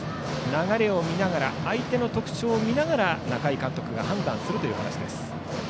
流れを見ながら相手の特徴を見ながら仲井監督が判断するという話です。